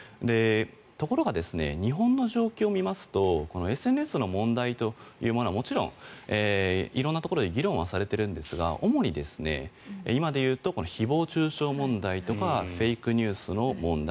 ところが、日本の状況を見ますとこのＳＮＳの問題というものはもちろん色々なところで議論はされてるんですが主に今でいうと誹謗・中傷問題とかフェイクニュースの問題